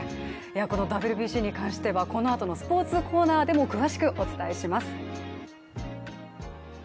このＷＢＣに関してはこのあとのスポーツコーナーでも詳しくお伝えします。